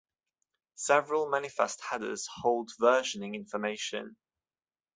Several manifest headers hold versioning information.